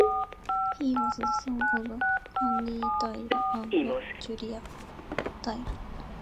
He was the son of Henry Dyre and Julia (Threadgill) Dyre.